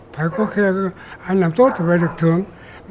phải có khe anh làm tốt thì phải được thưởng